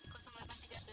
terima kasih tante